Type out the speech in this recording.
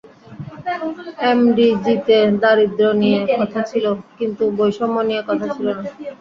এমডিজিতে দারিদ্র্য নিয়ে কথা ছিল, কিন্তু বৈষম্য নিয়ে কথা ছিল না।